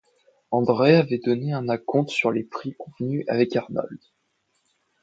André avait donné un acompte sur le prix convenu avec Arnold.